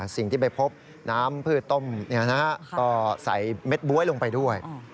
สิ่งที่ไปพบน้ำพืชต้มก็ใส่เม็ดบ๊วยลงไปด้วย